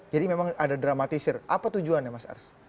jadi memang ada dramatisir apa tujuannya mas ars